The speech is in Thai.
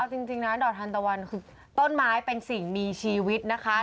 เอาจริงนะดอกทันตะวันคือต้นไม้เป็นสิ่งมีชีวิตนะคะ